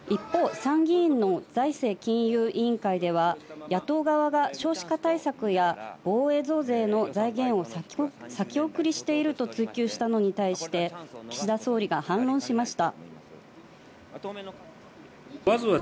一方、参議院の財政金融委員会では、野党側が少子化対策や防衛増税の財源を先送りしていると追及したのに対して、岸田総理が反論しました。